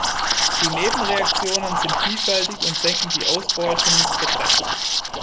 Die Nebenreaktionen sind vielfältig und senken die Ausbeuten beträchtlich.